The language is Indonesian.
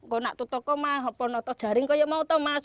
kau nak tutup kok mah apa notok jaring kok yang mau tau mas